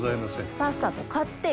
さっさと買ってよ。